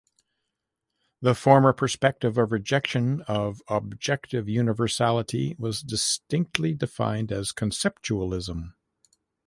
The former perspective of rejection of objective universality was distinctly defined as conceptualism.